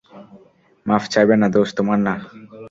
মাফ চাইবে না, দোষ তোমার না।